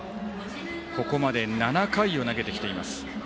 ここまで７回を投げてきています。